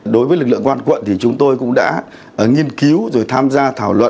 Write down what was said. đối với lực lượng quan quận thì chúng tôi cũng đã nghiên cứu rồi tham gia thảo luận